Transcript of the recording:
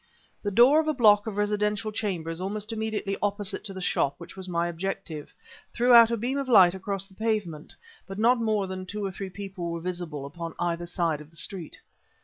The door of a block of residential chambers almost immediately opposite to the shop which was my objective, threw out a beam of light across the pavement, but not more than two or three people were visible upon either side of the street.